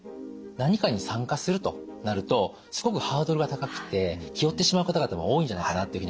何かに参加するとなるとすごくハードルが高くて気負ってしまう方々も多いんじゃないかなというふうに思います。